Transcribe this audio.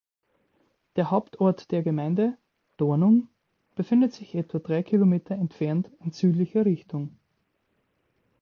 Der Hauptort der Gemeinde, Dornum, befindet sich etwa drei Kilometer entfernt in südlicher Richtung.